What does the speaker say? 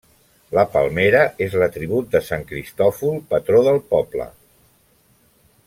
La palmera és l'atribut de sant Cristòfol, patró del poble.